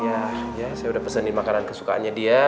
jadi ya saya udah pesenin makanan kesukaannya dia